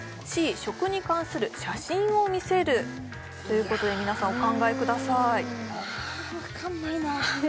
食に関する写真を見せるということで皆さんお考えくださいわかんないな